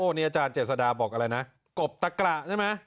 นี่อาจารย์เจษฎาบอกอะไรนะกบตะกระใช่ไหม